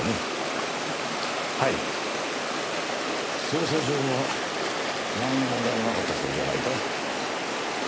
捜査上はなんの問題もなかったそうじゃないか。